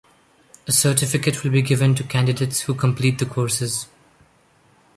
A certificate will be given to candidates who complete the courses.